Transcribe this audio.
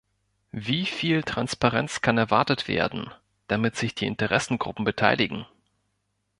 Wie viel Transparenz kann erwartet werden, damit sich die Interessengruppen beteiligen?